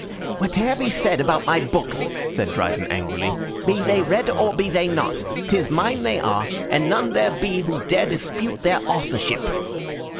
"Whate'er be said about my books," said Dryden, angrily, "be they read or be they not, 'tis mine they are, and none there be who dare dispute their authorship."